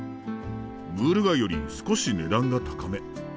ムール貝より少し値段が高め。